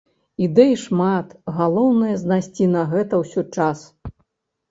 Ідэй шмат, галоўнае знайсці на гэта ўсё час.